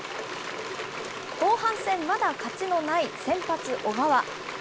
後半戦、まだ勝ちのない先発、小川。